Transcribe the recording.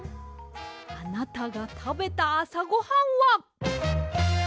あなたがたべたあさごはんは。